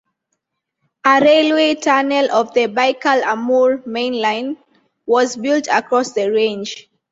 A railway tunnel of the Baikal–Amur Mainline was built across the range.